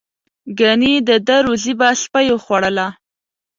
گني د ده روزي به سپیو خوړله.